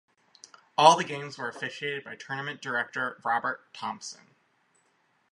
All the games were officiated by Tournament Director Robert Thompson.